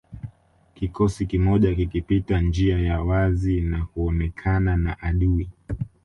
Kikosi kimoja kikipita njia ya wazi na kuonekana na adui